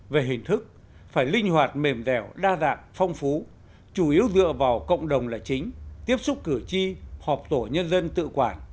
về hình thức phải linh hoạt mềm dẻo đa dạng phong phú chủ yếu dựa vào cộng đồng là chính tiếp xúc cử tri họp tổ nhân dân tự quản